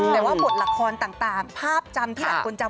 แต่ว่าบทละครต่างภาพจำที่หลายคนจำ